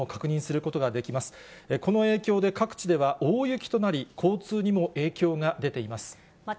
この影響で各地では大雪となり、交通にも影響が出ています。